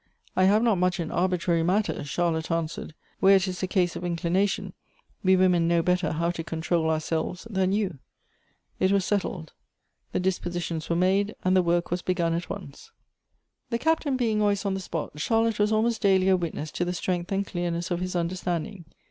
" I have not much in arbitrary matters," Charlotte an swered. " Where it is a case of inclination, we women know better how to control ourselves than you." It was settled ; the dispositions were made, and the work was begun at once. The Captain being always on the spot, Charlotte was almost daily a witness to the strength and clearness of his 60 Goethe's understanding.